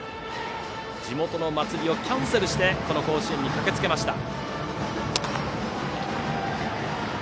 地元の祭りをキャンセルしてこの甲子園に駆けつけました。